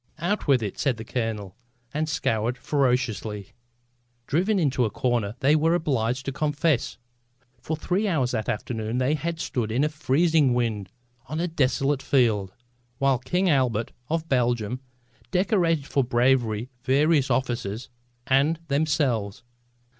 "Out with it," said the colonel, and scowled ferociously. Driven into a corner they were obliged to confess. For three hours that afternoon they had stood in a freezing wind on a desolate field, while King Albert of Belgium decorated for bravery various officers and themselves.